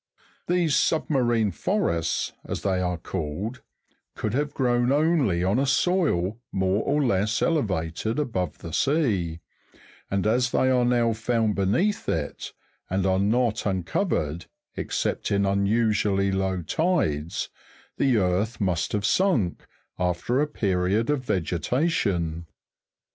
These submarine forests, as they are called, could have grown only on a soil more or less elevated above the sea ; and as they are now found beneath it, and are not uncovered, except in unusually low tides, the earth must have sunk, after the period of regetation.